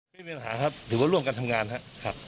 ไม่มีปัญหาครับถือว่าร่วมกันทำงานครับ